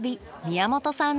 宮本さん。